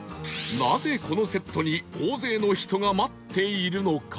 なぜこのセットに大勢の人が待っているのか？